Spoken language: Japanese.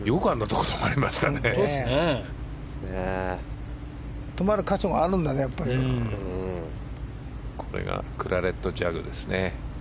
これがクラレット・ジャグですね。